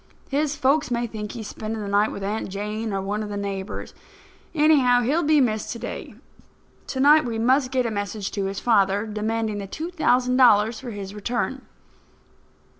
His folks may think he's spending the night with Aunt Jane or one of the neighbours. Anyhow, he'll be missed to day. To night we must get a message to his father demanding the two thousand dollars for his return."